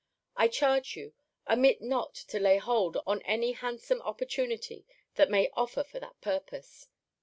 I charge you, omit not to lay hold on any handsome opportunity that may offer for that purpose.